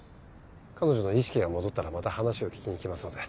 彼女の意識が戻ったらまた話を聞きに来ますので。